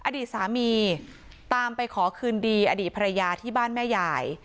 อดีตสามีตามไปขอคืนดีอดีตภรรยาที่บ้านแม่ยาย